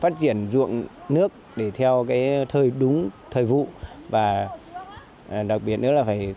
phát triển ruộng nước để theo cái đúng thời vụ và đặc biệt nữa là phải